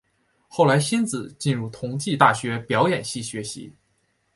后来馨子进入同济大学表演系学习。